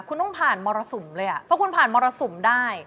คุณต้องผ่านมรสุมเลยอ่ะเพราะคุณผ่านมรสุมได้